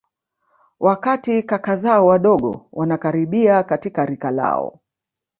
Wakati kaka zao wadogo wanakaribia katika rika lao